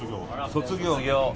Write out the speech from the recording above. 卒業。